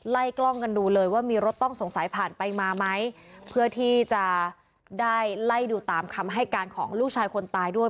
ไล่กล้องกันดูเลยว่ามีรถต้องสงสัยผ่านไปมาไหมเพื่อที่จะได้ไล่ดูตามคำให้การของลูกชายคนตายด้วย